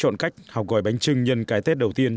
chọn cách học gói bánh trưng nhân cái tết đầu tiên